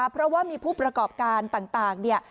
เพราะว่ามีผู้ประกอบการต่างเนี่ย